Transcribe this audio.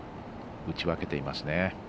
打ち分けていますね。